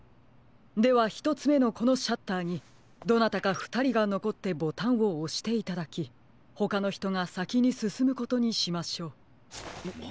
ではひとつめのこのシャッターにどなたかふたりがのこってボタンをおしていただきほかのひとがさきにすすむことにしましょう。